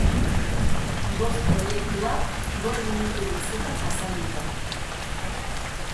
Bost proiektuak, bost minutu luzetan azalduta.